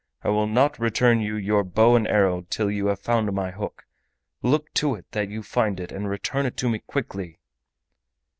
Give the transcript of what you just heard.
I will not return you your bow and arrow till you have found my hook. Look to it that you find it and return it to me quickly."